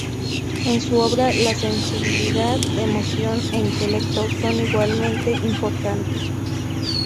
En su obra la sensibilidad, emoción e intelecto son igualmente importantes.